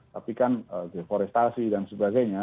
tapi kan deforestasi dan sebagainya